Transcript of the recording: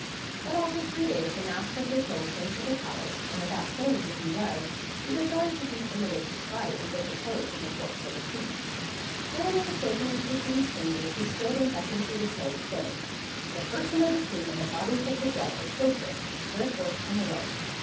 But after three days, the master of the toad came to the palace, and without saying who he was, he desired to be permitted to try and get the toad from the corpse of the king. And when he was taken into the king's chamber, he stood and beckoned to the toad, saying, "The person of the king and the bodies of the dead are sacred, wherefore come away."